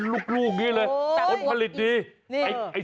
ลูกอย่างนี้แอฟผลิตดี